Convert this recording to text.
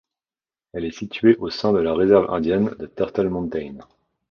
Elle est située au sein de la réserve indienne de Turtle Mountain.